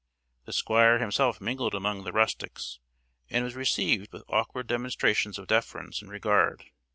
The Squire himself mingled among the rustics, and was received with awkward demonstrations of deference and regard.